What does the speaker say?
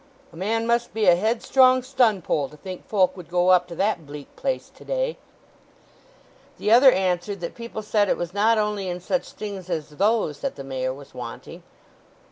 "A man must be a headstrong stunpoll to think folk would go up to that bleak place to day." The other answered that people said it was not only in such things as those that the Mayor was wanting.